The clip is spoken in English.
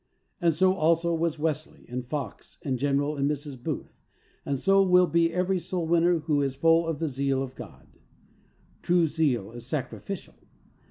And so also was Wesley and Fox and General and Mrs. Booth, and so will be every soul winner who is full of the zeal of God. True zeal is sacrificial.